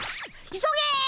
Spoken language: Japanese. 急げ！